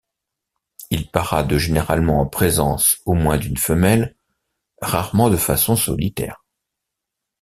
Il parade généralement en présence au moins d’une femelle, rarement de façon solitaire.